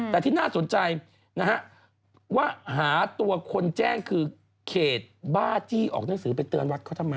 แต่ที่น่าสนใจนะฮะว่าหาตัวคนแจ้งคือเขตบ้าจี้ออกหนังสือไปเตือนวัดเขาทำไม